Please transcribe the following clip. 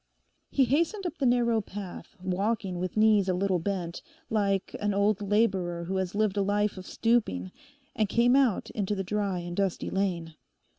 He hastened up the narrow path, walking with knees a little bent, like an old labourer who has lived a life of stooping, and came out into the dry and dusty lane.